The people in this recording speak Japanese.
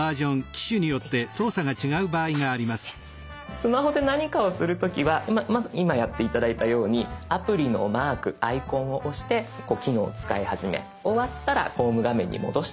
スマホで何かをする時は今やって頂いたようにアプリのマークアイコンを押して機能を使い始め終わったらホーム画面に戻してくる。